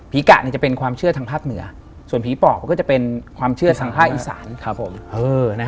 กะจะเป็นความเชื่อทางภาคเหนือส่วนผีปอบก็จะเป็นความเชื่อทางภาคอีสาน